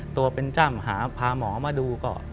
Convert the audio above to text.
ตัวเป็นจ้ำหาพาหมอมาดูก็